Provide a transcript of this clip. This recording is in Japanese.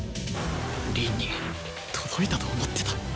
凛に届いたと思ってた